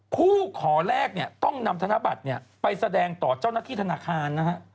ผู้ขอแรกเนี่ยต้องนำธนบัตรไปแสดงต่อเจ้าหน้าที่ธนาคารนะฮะ